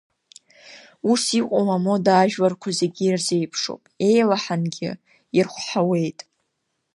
Ус иҟоу амода ажәларқәа зегьы ирзеиԥшуп, еилаҳангьы ирхәҳауеит.